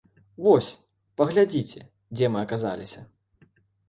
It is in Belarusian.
Вось, паглядзіце, дзе мы аказаліся.